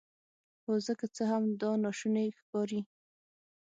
هو زه که څه هم دا ناشونی ښکاري